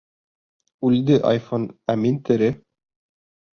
— Үлде айфон, ә мин тере.